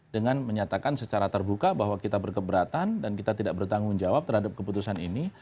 dengan menyatakan secara terbuka bahwa kita berkeberatan dan kita tidak bertanggung jawab terhadap keputusan ini